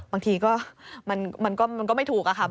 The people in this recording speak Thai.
บางทีก็มันก็ไม่ถูกอะค่ะ